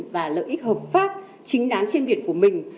và lợi ích hợp pháp chính đáng trên biển của mình